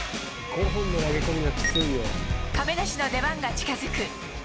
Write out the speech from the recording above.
亀梨の出番が近づく。